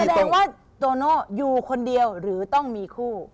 แสดงว่าโตโน่อยู่คนเดียวหรือต้องมีคู่